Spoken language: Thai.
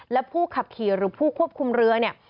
และผู้ขับขี่หรือผู้ควบคุมเรือเนี่ย